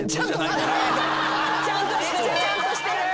ちゃんとしてる。